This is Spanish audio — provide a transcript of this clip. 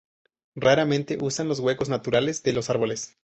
Raramente usan los huecos naturales de los árboles.